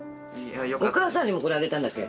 お母さんにもこれあげたんだっけ？